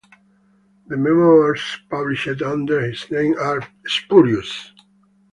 The "Memoirs" published under his name are spurious.